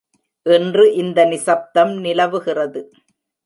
இன்று இந்த நிசப்தம் நிலவுகிறது.